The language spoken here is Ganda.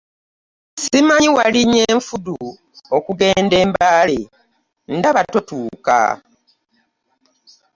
Ssimanyi walinnye nfudu okugenda e Mbale ndaba totuuka!